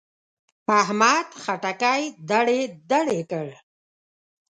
احمد خټکی دړې دړې کړ.